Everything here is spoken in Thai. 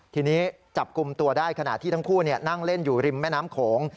ทีนี้จับกลุ่มตัวได้ขณะที่ทั้งคู่นั่งเล่นอยู่ริมแม่น้ำโขง